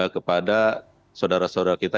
kepada saudara saudara kita